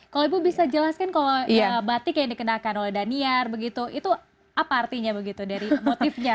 kalau ibu bisa jelaskan kalau batik yang dikenakan oleh daniar begitu itu apa artinya begitu dari motifnya